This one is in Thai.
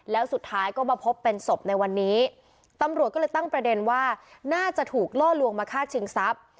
แล้วสุดท้ายก็มาพบเป็นศพในวันนี้ตำรวจก็เลยตั้งประเด็นว่าน่าจะถูกล่อลวงมาฆ่าชิงทรัพย์